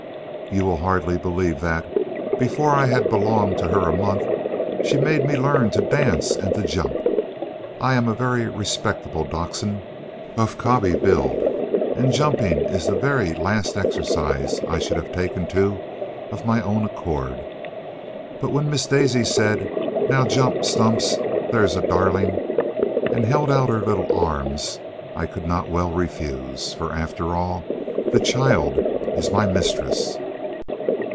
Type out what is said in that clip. You will hardly believe that, before I had belonged to her a month, she had made me learn to dance and to jump. I am a very respectable dachshund, of cobby build, and jumping is the very last exercise I should have taken to of my own accord. But when Miss Daisy said, "Now jump, Stumps; there's a darling!" and held out her little arms, I could not well refuse. For, after all, the child is my mistress.